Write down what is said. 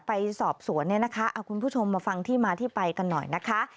ไปสอบสวนเนี่ยนะคะเอาคุณผู้ชมมาฟังที่มาที่ไปกันหน่อยนะคะ